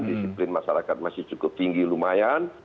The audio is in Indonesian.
disiplin masyarakat masih cukup tinggi lumayan